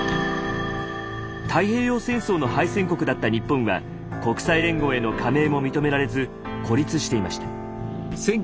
太平洋戦争の敗戦国だった日本は国際連合への加盟も認められず孤立していました。